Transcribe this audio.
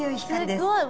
すごい。